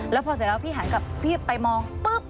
แล้วพอเสร็จแล้วพี่หันกับพี่ไปมองปุ๊บ